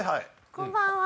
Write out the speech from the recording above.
こんばんは。